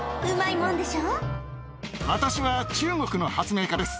私は中国の発明家です。